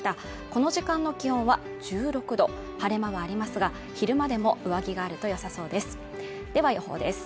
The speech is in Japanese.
この時間の気温は１６度晴れ間はありますが昼間でも上着があるとよさそうですでは予報です